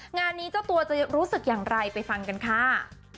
งานนี้เจ้าตัวจะรู้สึกอย่างไรไปฟังกันค่ะ